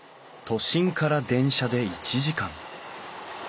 都心から電車で１時間。